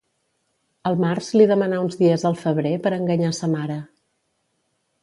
El març li demanà uns dies al febrer per enganyar sa mare.